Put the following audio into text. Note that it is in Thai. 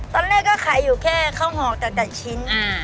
ตอนแรกก็ขายอยู่แค่ข้าวหอกแต่ชิ้น